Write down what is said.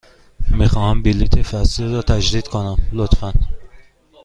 می خواهم بلیط فصلی را تجدید کنم، لطفاً.